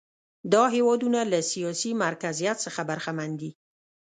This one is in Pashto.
دا هېوادونه له سیاسي مرکزیت څخه برخمن دي.